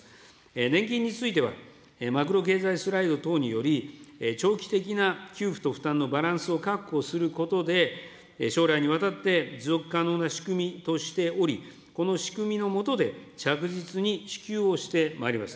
年金については、マクロ経済スライド等により、長期的な給付と負担のバランスを確保することで、将来にわたって持続可能な仕組みとしており、この仕組みの下で、着実に支給をしてまいります。